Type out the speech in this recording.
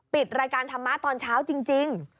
ปิดรายการธรรมะตอนเช้าจริง